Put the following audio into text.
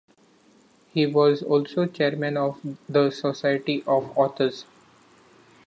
He was also chairman of the Society of Authors.